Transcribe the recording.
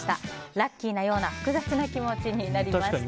ラッキーなような複雑な気持ちになりました。